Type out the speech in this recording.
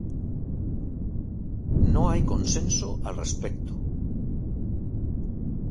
No hay consenso al respecto.